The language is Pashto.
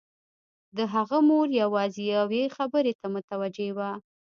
د هغه مور يوازې يوې خبرې ته متوجه وه.